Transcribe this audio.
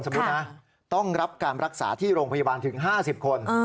ต้องรับการรักษาที่โรงพยาบาลถึง๕๐คน